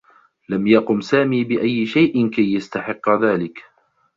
لم يقم سامي بأيّ شيء كي يستحقّ ذلك.